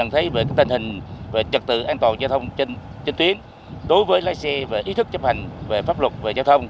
tình hình về trật tự an toàn giao thông trên tuyến đối với lái xe và ý thức chấp hành về pháp luật về giao thông